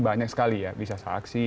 banyak sekali ya bisa saksi